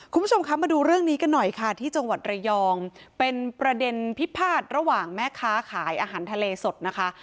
คุณผู้ชมคะมาดูเรื่องนี้กันหน่อยค่ะที่จังหวัดระยองเป็นประเด็นพิพาทระหว่างแม่ค้าขายอาหารทะเลสดนะคะ